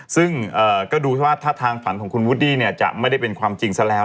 ซึ่งก็ดูว่าถ้าทางฝันของคุณวูดดี้จะไม่ได้เป็นความจริงซะแล้ว